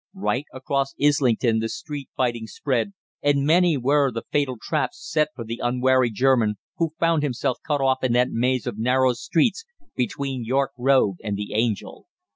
Right across Islington the street fighting spread, and many were the fatal traps set for the unwary German who found himself cut off in that maze of narrow streets between York Road and the Angel.